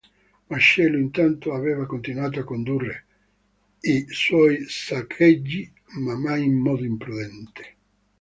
Marcello intanto aveva continuato a condurre i suoi saccheggi, ma mai in modo imprudente.